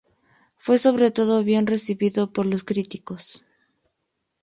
Fue sobre todo bien recibido por los críticos.